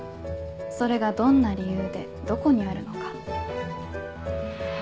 それがどんな理由でどこにあるのか？